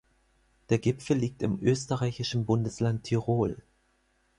Der Gipfel liegt im österreichischen Bundesland Tirol.